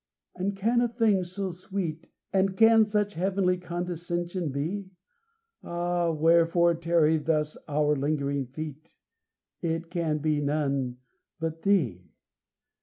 And can a thing so sweet, And can such heavenly condescension be? Ah! wherefore tarry thus our lingering feet? It can be none but Thee.